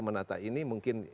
menata ini mungkin